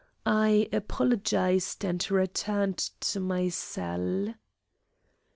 I apologised and returned to my cell.